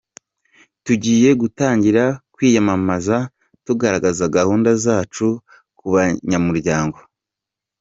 Tugiye gutangira kwiyamamaza, tugaragaza gahunda zacu ku banyamuryango.